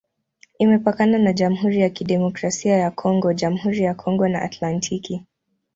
Imepakana na Jamhuri ya Kidemokrasia ya Kongo, Jamhuri ya Kongo na Atlantiki.